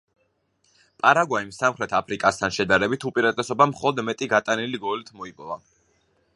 პარაგვაიმ სამხრეთ აფრიკასთან შედარებით უპირატესობა მხოლოდ მეტი გატანილი გოლით მოიპოვა.